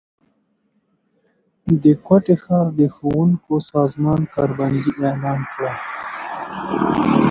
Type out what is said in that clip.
د کوټي ښار د ښونکو سازمان کار بندي اعلان کړه